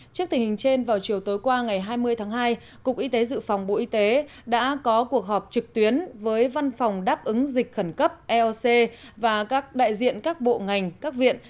trước tình hình trên vào chiều tối qua ngày hai mươi tháng hai cục y tế dự phòng bộ y tế đã có cuộc họp trực tuyến với văn phòng đáp ứng dịch khẩn cấp eoc và các đại diện các bộ ngành các viện